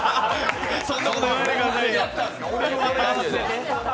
そんなこと言わないでくださいよ。